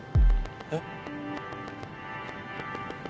えっ。